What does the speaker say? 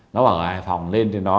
nó ở hải phòng lên trên đó